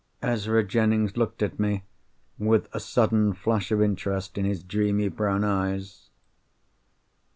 Ezra Jennings looked at me, with a sudden flash of interest in his dreamy brown eyes.